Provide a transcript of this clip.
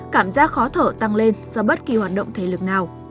cảm giác khó thở tăng lên do bất kỳ hoạt động thể lực nào